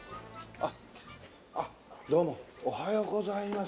あっどうもおはようございます。